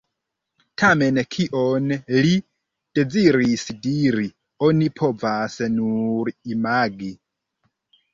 Tamen kion li deziris diri, oni povas nur imagi.